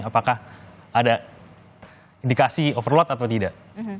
apakah ada indikasi overload atau tidak